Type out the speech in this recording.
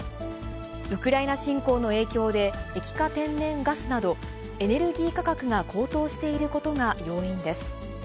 ウクライナ侵攻の影響で、液化天然ガスなど、エネルギー価格が高騰していることが要因です。